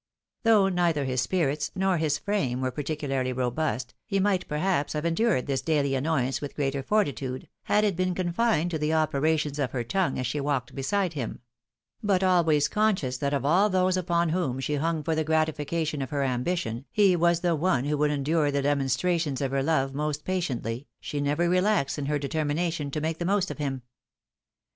Though neither his spirits nor his frame were particularly robust, he might, perhaps, have endured this daily annoyance with greater fortitude, had it been confined to the operations of her tongue as she walked beside him ; but always conscious that of all those upon whom she hung for the grati fication of her ambition, he was the one who would endure the demonstrations of her love most patiently, she never relaxed iu her determination to make the most of him.